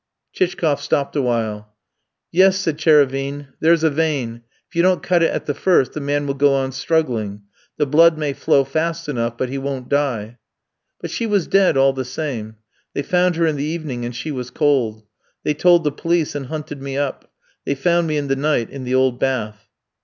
Chichkoff stopped a while. "Yes," said Tchérévine, "there's a vein; if you don't cut it at the first the man will go on struggling; the blood may flow fast enough, but he won't die." "But she was dead all the same. They found her in the evening, and she was cold. They told the police, and hunted me up. They found me in the night in the old bath.